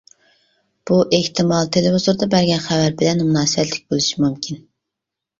بۇ ئېھتىمال تېلېۋىزوردا بەرگەن خەۋەر بىلەن مۇناسىۋەتلىك بولۇشى مۇمكىن.